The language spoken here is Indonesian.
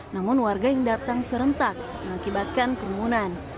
namun warga yang datang serentak mengakibatkan kerumunan